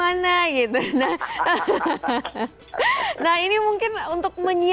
tidak hanya ditanyain kapan nikah gitu tapi ditanyain juga angpaunya mana gitu